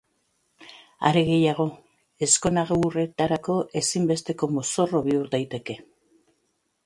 Are gehiago, ezkonagurretarako ezinbesteko mozorro bihur daiteke.